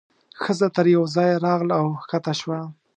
ښځه تر یوه ځایه راغله او کښته شوه.